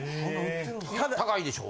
高いでしょ？